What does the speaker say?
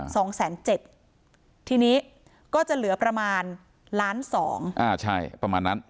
สองแสนเจ็ดทีนี้ก็จะเหลือประมาณล้านสองอ่าใช่ประมาณนั้น